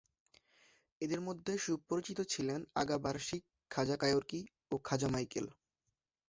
এদের মধ্যে সুপরিচিত ছিলেন আগা বারশিক, খাজা কায়োর্কি ও খাজা মাইকেল।